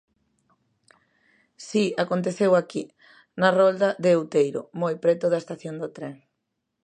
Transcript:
Si, aconteceu aquí, na Rolda de Outeiro, moi preto da estación do tren.